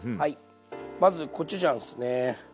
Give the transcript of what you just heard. まずコチュジャンですね